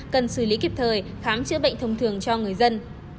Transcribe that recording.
cần xử lý kịp thời khám chữa bệnh thông thường cho người dân